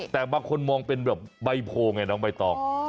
แต่บางคนมองเป็นแบบใบโพนบายตอง